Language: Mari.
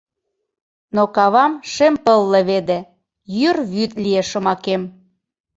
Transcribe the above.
Но кавам шем пыл леведе — Йӱр вӱд лие шомакем.